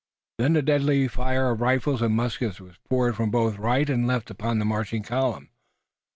Then a deadly fire of rifles and muskets was poured from both right and left upon the marching column.